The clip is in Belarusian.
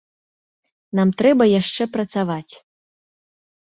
Нам трэба яшчэ працаваць.